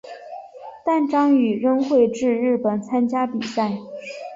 但张栩仍会至日本参加比赛。